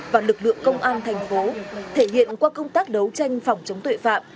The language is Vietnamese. và lực lượng công an thành phố thể hiện qua công tác đấu tranh phòng chống tội phạm